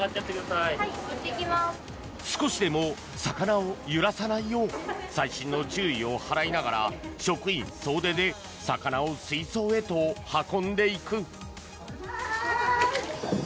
少しでも魚を揺らさないよう細心の注意を払いながら職員総出で魚を水槽へと運んでいく。